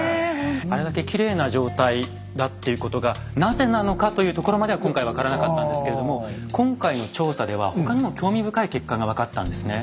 あれだけきれいな状態だっていうことがなぜなのかというところまでは今回分からなかったんですけれども今回の調査では他にも興味深い結果が分かったんですね。